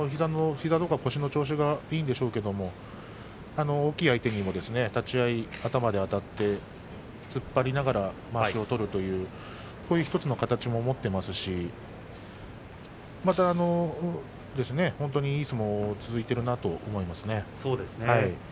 膝とか腰の調子がいいんでしょうけれども、大きい相手にも立ち合い頭であたって突っ張りながらという１つの形も持っていますし本当にいい相撲が続いてるなと思いますね。